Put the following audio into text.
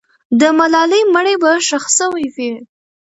د ملالۍ مړی به ښخ سوی وي.